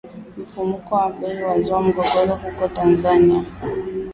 Mfumuko wa Bei wazua mgogoro huko Tanzania.